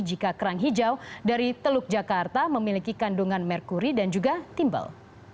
jika kerang hijau dari teluk jakarta memiliki kandungan merkuri dan juga timbal